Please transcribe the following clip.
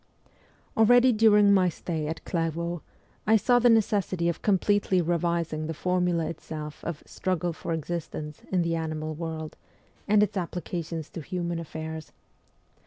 Already during my stay at Clairvaux I saw the necessity of completely revising the formula itself of ' struggle for existence ' in the animal world, and its applications to human affairs.